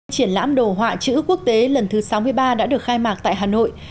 triển lãm đồ họa chữ quốc tế lần thứ sáu mươi ba đã được khai mạc tại hà nội